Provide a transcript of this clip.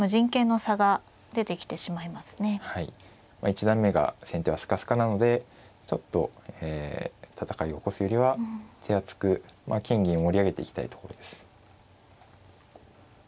一段目が先手はスカスカなのでちょっと戦いを起こすよりは手厚く金銀を盛り上げていきたいところです。